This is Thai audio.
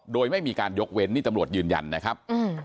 โดยไม่มีการยกเว้นนี่ตำรวจยืนยันนะครับ